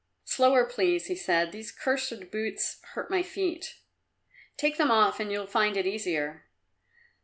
"Slower, please," he said, "these cursed boots hurt my feet." "Take them off and you'll find it easier."